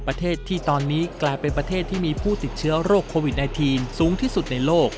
ประเทศที่ตอนนี้กลายเป็นประเทศที่มีผู้ติดเชื้อโรคโควิด๑๙สูงที่สุดในโลก